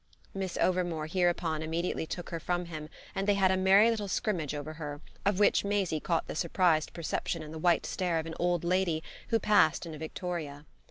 Miss Overmore hereupon immediately took her from him, and they had a merry little scrimmage over her of which Maisie caught the surprised perception in the white stare of an old lady who passed in a victoria.